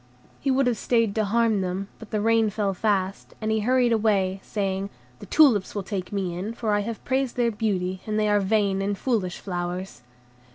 He would have stayed to harm them, but the rain fell fast, and he hurried away, saying, "The tulips will take me in, for I have praised their beauty, and they are vain and foolish flowers."